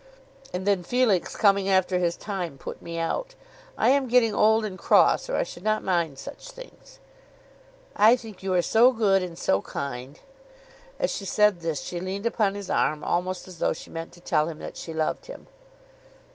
"And then Felix coming after his time put me out. I am getting old and cross, or I should not mind such things." "I think you are so good, and so kind." As she said this she leaned upon his arm almost as though she meant to tell him that she loved him.